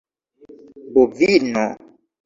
bovino